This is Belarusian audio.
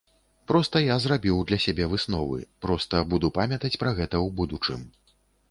Проста я зрабіў для сябе высновы, проста буду памятаць пра гэта ў будучым.